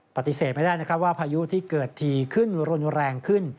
ปฏิเสธไม่ได้นะครับว่าพายุที่เกิดทีขึ้นรุนแรงขึ้น